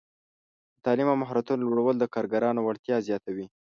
د تعلیم او مهارتونو لوړول د کارګرانو وړتیا زیاتوي.